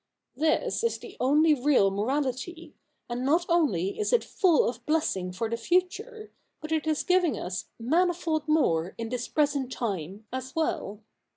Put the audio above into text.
This is the only real morality : and not only is it full of blessing for the future, but it is giving us 46 THE NEW REPUBLIC [bk. i " manifold more in this present time " as well.